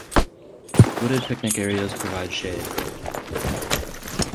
Wooded picnic areas provide shade.